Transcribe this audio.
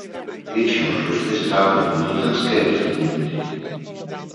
Většinu služby strávil v Nizozemské východní Indii.